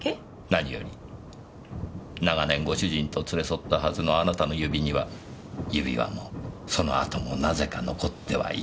なにより長年ご主人と連れ添ったはずのあなたの指には指輪もその跡もなぜか残ってはいない。